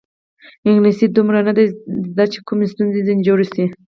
انګلیسي یې دومره نه ده زده چې کومه ستونزه ځنې جوړه شي.